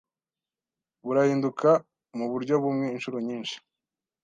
burahinduka muburyo bumwe inshuro nyinshi